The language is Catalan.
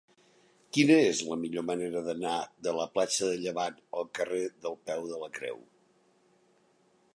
Quina és la millor manera d'anar de la platja del Llevant al carrer del Peu de la Creu?